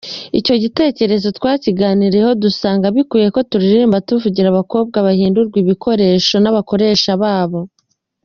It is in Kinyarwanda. Icyo gitekerezo twakiganiriyeho dusanga bikwiye ko turirimba tuvugira abakobwa bahindurwa ibikoresho n’abakoresha babo.